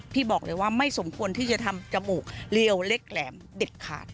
พี่บอกเลยว่าไม่สมควรที่จะทำจมูกเรียวเล็กแหลมเด็ดขาด